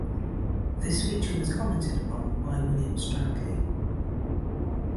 This feature was commented upon by William Stroudley.